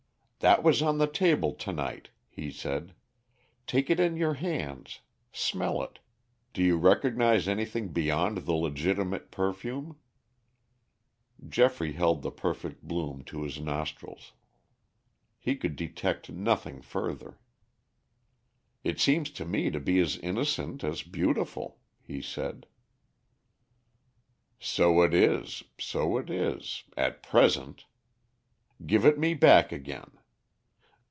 "That was on the table to night," he said. "Take it in your hands. Smell it. Do you recognize anything beyond the legitimate perfume?" Geoffrey held the perfect bloom to his nostrils. He could detect nothing further. "It seems to me to be as innocent as beautiful," he said. "So it is, so it is at present. Give it me back again.